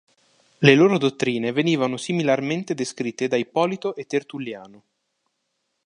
Le loro dottrine venivano similarmente descritte da Ippolito e Tertulliano.